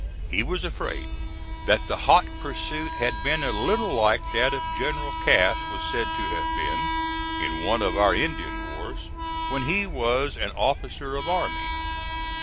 He was afraid that the hot pursuit had been a little like that of General Cass was said to have been, in one of our Indian wars, when he was an officer of army.